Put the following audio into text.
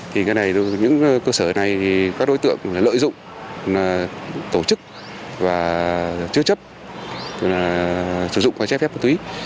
thì những cơ sở này thì các đối tượng lợi dụng tổ chức và chứa chấp sử dụng qua chế phép ma túy